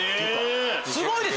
すごいです！